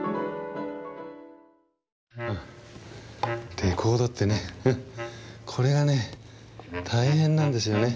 レコードってねこれがね大変なんですよね。